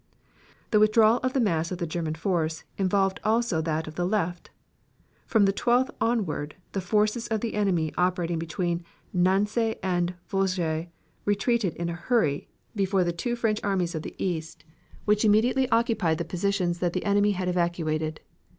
The withdrawal of the mass of the German force involved also that of the left. From the 12th onward the forces of the enemy operating between Nancy and the Vosges retreated in a hurry before the two French armies of the East, which immediately occupied the positions that the enemy had evacuated.